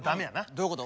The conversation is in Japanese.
どういうこと？